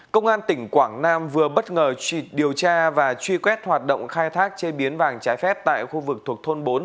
công an tỉnh quảng nam vừa bất ngờ điều tra và truy quét hoạt động khai thác chế biến vàng trái phép tại khu vực thuộc thôn bốn